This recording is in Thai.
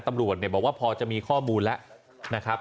ตำรวจบอกว่าพอจะมีข้อมูลแล้วนะครับ